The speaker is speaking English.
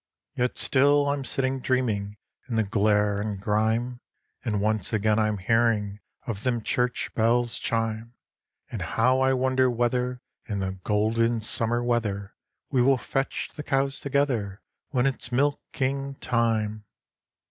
Yet still I'm sitting dreaming in the glare and grime; And once again I'm hearing of them church bells chime; And how I wonder whether in the golden summer weather We will fetch the cows together when it's milking time.